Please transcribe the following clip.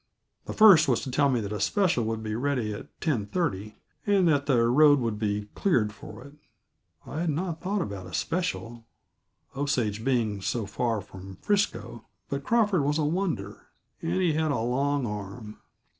The first was to tell me that a special would be ready at ten thirty, and that the road would be cleared for it. I had not thought about a special Osage being so far from Frisco; but Crawford was a wonder, and he had a long arm.